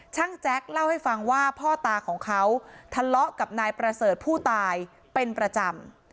แจ๊คเล่าให้ฟังว่าพ่อตาของเขาทะเลาะกับนายประเสริฐผู้ตายเป็นประจำ